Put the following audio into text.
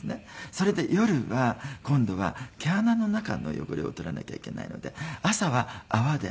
それで夜は今度は毛穴の中の汚れを取らなきゃいけないので朝は泡で洗った方がいいんですよ。